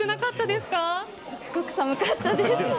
すごく寒かったです。